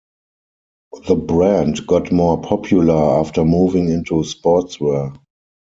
The brand got more popular after moving into sportswear.